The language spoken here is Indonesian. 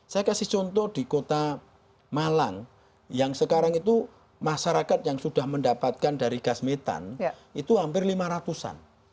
saya kasih contoh di kota malang yang sekarang itu masyarakat yang sudah mendapatkan dari gas metan itu hampir lima ratus an